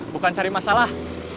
bukan cari masalah